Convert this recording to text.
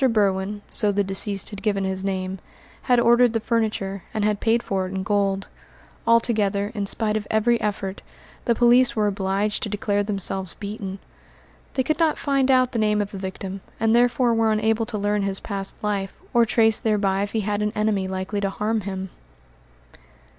Berwin so the deceased had given his name had ordered the furniture, and had paid for it in gold. Altogether, in spite of every effort, the police were obliged to declare themselves beaten. They could not find out the name of the victim, and therefore were unable to learn his past life, or trace thereby if he had an enemy likely to harm him.